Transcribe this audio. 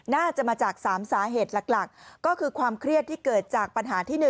น่าจะมาจาก๓สาเหตุหลักก็คือความเครียดที่เกิดจากปัญหาที่๑